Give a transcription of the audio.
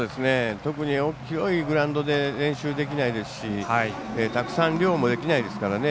特に広いグラウンドで練習できないですしたくさん量もできないですからね。